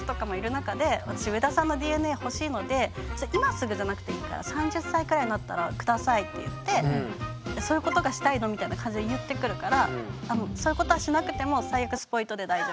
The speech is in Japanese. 「私上田さんのＤＮＡ欲しいので今すぐじゃなくていいから３０歳くらいになったらください」って言って「そういうことがしたいの？」みたいな感じで言ってくるから「そういうことはしなくても最悪」